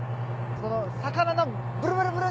魚のブルブルブル！